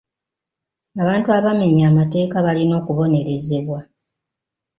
Abantu abamenya amateeka balina okubonerezebwa.